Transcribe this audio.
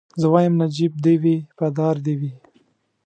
زه وايم نجيب دي وي په دار دي وي